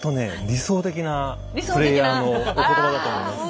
理想的なプレイヤーのお言葉だと思います。